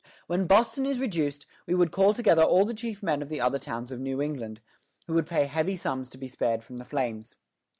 "When Boston is reduced, we would call together all the chief men of the other towns of New England, who would pay heavy sums to be spared from the flames.